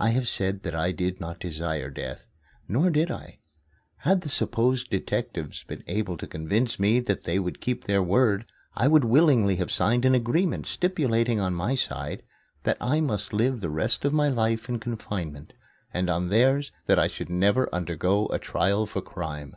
I have said that I did not desire death; nor did I. Had the supposed detectives been able to convince me that they would keep their word, I would willingly have signed an agreement stipulating on my side that I must live the rest of my life in confinement, and on theirs that I should never undergo a trial for crime.